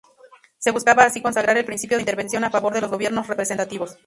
Se buscaba así consagrar el principio de intervención a favor de los gobiernos representativos.